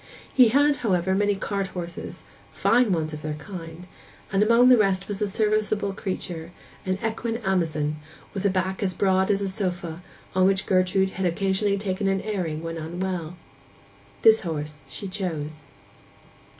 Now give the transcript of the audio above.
He had, however, many cart horses, fine ones of their kind; and among the rest was a serviceable creature, an equine Amazon, with a back as broad as a sofa, on which Gertrude had occasionally taken an airing when unwell. This horse she chose.